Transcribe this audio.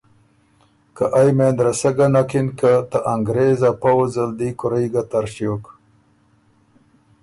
که ائ مېن رسک ګۀ نکِن که ته انګرېز ا پؤځ ال دی کُورئ تر ݭیوک